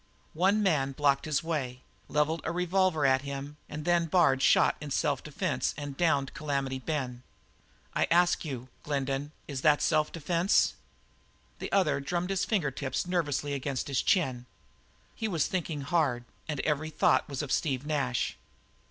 One man blocked the way, levelled a revolver at him, and then Bard shot in self defence and downed Calamity Ben. I ask you, Glendin, is that self defence?" The other drummed his finger tips nervously against his chin; he was thinking hard, and every thought was of Steve Nash.